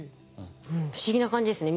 不思議な感じですね